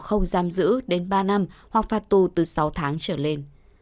không giam giữ đến ba năm hoặc phạt tù từ sáu tháng trở lên